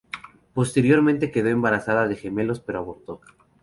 Posteriormente quedó embarazada de gemelos pero abortó.